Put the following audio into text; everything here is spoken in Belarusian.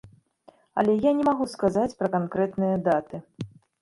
Але я не магу сказаць пра канкрэтныя даты.